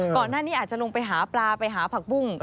ก่อนหน้านี้อาจจะลงไปหาปลาไปหาผักบุ้ง